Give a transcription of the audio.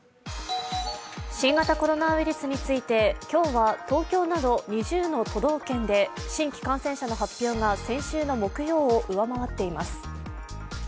新型コロナウイルスについて今日は東京など２０の都道府県で新規感染者の発表が先週の木曜を上回っています。